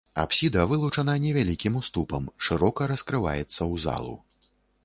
Апсіда вылучана невялікім уступам, шырока раскрываецца ў залу.